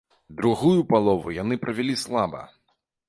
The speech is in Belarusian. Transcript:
Другую палову яны правялі слаба.